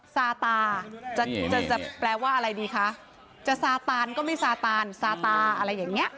ซาตาจะแปลว่าอะไรดีคะจะซาตานก็ไม่ซาตานซาตาอะไรอย่างนี้